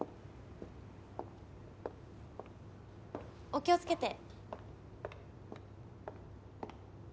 お気を付けて。